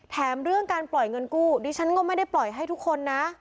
เรื่องการปล่อยเงินกู้ดิฉันก็ไม่ได้ปล่อยให้ทุกคนนะ